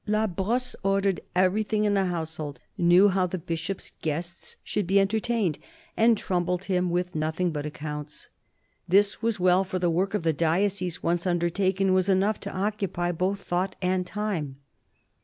La Brosse ordered every thing in the household, knew how the Bishop's guests should be entertained, and troubled him with nothing but accounts. This was well, for the work of the diocese, once undertaken, was enough to occupy both thought and time.